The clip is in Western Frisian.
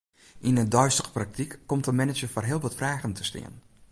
Yn 'e deistige praktyk komt de manager foar heel wat fragen te stean.